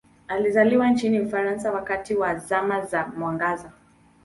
Alizaliwa nchini Ufaransa wakati wa Zama za Mwangaza.